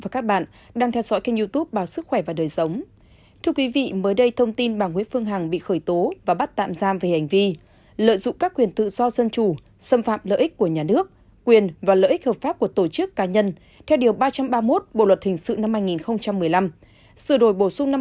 cảm ơn các bạn đã theo dõi